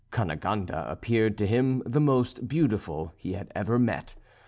Cunegonde appeared to him the most beautiful he had ever met.